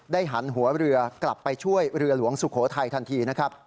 หันหัวเรือกลับไปช่วยเรือหลวงสุโขทัยทันทีนะครับ